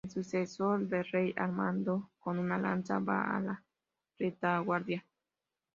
El sucesor del rey, armado con una lanza, va a la retaguardia.